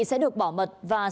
sẽ được bỏ mật